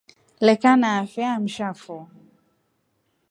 Lekana nafe amsha fo.